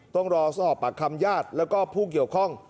ต้องรอสอบปากคำญาติแล้วก็ผู้เกี่ยวข้อง